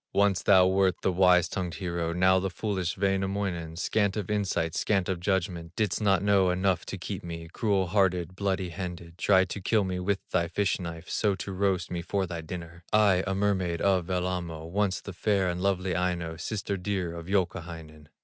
"Once thou wert the wise tongued hero, Now the foolish Wainamoinen, Scant of insight, scant of judgment, Didst not know enough to keep me, Cruel hearted, bloody handed, Tried to kill me with thy fish knife, So to roast me for thy dinner; I, a mermaid of Wellamo, Once the fair and lovely Aino, Sister dear of Youkahainen."